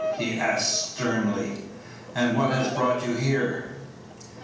he asked, sternly; "and what has brought you here?"